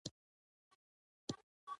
دا د هخامنشیانو پلازمینه وه.